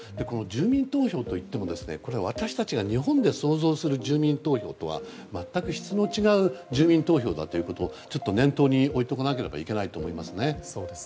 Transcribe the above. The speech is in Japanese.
この住民投票といっても私たちが日本で想像する住民投票とは全く質の違う住民投票だということを念頭に置いておかなければいけないと思います。